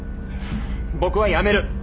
僕は辞める。